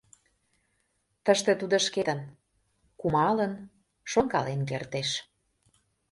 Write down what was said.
Тыште тудо шкетын: кумалын, шонкален кертеш.